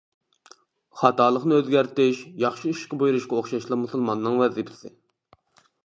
خاتالىقنى ئۆزگەرتىش ياخشى ئىشقا بۇيرۇشقا ئوخشاشلا مۇسۇلماننىڭ ۋەزىپىسى.